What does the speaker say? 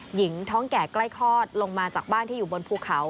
หญิงท้องแก่ใกล้คลอดลงมาจากบ้านที่อยู่บนภูเขา